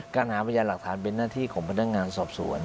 การหาพยานหลักฐานเป็นหน้าที่ของพนักงานสอบสวน